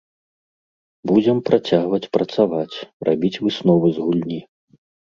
Будзем працягваць працаваць, рабіць высновы з гульні.